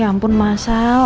ya ampun masal